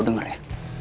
lo denger ya